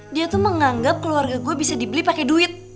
dia tuh menganggap keluarga gue bisa dibeli pakai duit